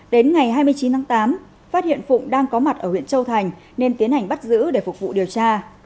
đến ngày hai mươi chín tháng tám phát hiện phụng đang có mặt ở huyện châu thành nên tiến hành bắt giữ để phục vụ điều tra